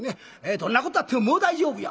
「どんなことあってももう大丈夫や」。